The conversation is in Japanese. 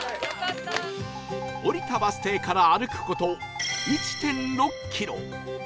降りたバス停から歩く事 １．６ キロ